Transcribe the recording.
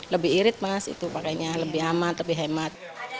lebih irit mas itu pakainya lebih aman lebih hemat